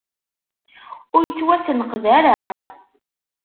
Ur yettwasenqed ara.